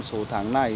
số tháng này